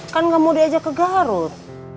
kan nggak mau diajak ke garut